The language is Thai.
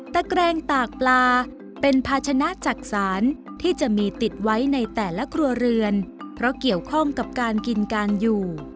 แกรงตากปลาเป็นภาชนะจักษานที่จะมีติดไว้ในแต่ละครัวเรือนเพราะเกี่ยวข้องกับการกินการอยู่